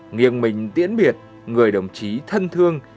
nghiêng mình tiễn biệt người đồng chí thân thương